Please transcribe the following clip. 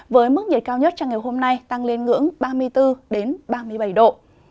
với mức nhiệt cao nhất cho ngày hôm nay tăng lên ngưỡng ba mươi bốn ba mươi bảy độ